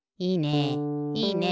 いいね！